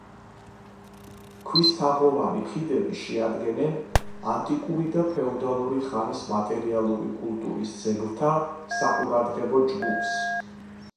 ქვისთაღოვანი ხიდები შეადგენენ ანტიკური და ფეოდალური ხანის მატერიალური კულტურის ძეგლთა საყურადღებო ჯგუფს.